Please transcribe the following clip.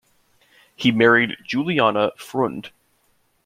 He married Juliana Freund.